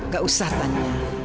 gak usah tanya